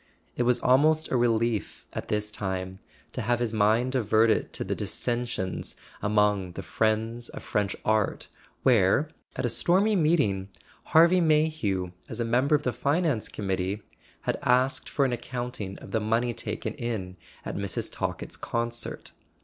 It was almost a relief, at this time, to have his mind diverted to the dissensions among "The Friends of French Art," where, at a stormy meeting, Harvey May hew, as a member of the Finance Committee, had asked for an accounting of the money taken in at Mrs. Talkett's concert.